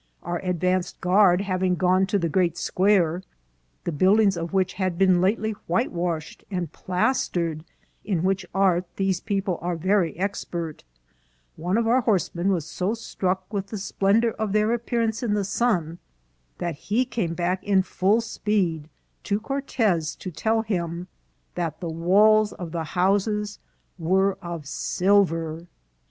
" Our advanced guard having gone to the great square, the buildings of which had been lately whitewashed and plastered, in which art these people are very expert, one of our horse men was so struck with the splendour of their appear ance in the sun, that he came back in full speed to Cortez to tell him that the walls of the houses were of silver."